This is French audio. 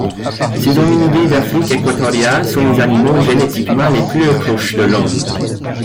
Ces hominidés d'Afrique équatoriale sont les animaux génétiquement les plus proches de l'Homme.